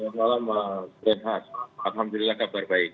selamat malam mas rehat alhamdulillah kabar baik